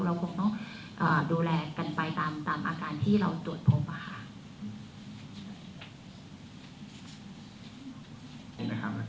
เราคงต้องดูแลกันไปตามอาการที่เราตรวจพบค่ะ